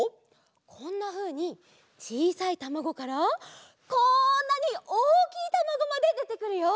こんなふうにちいさいたまごからこんなにおおきいたまごまででてくるよ。